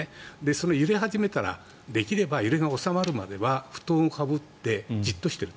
その揺れ始めたらできれば揺れが収まるまでは布団をかぶってじっとしている。